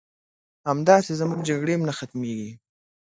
همداسې زمونږ جګړې هم نه ختميږي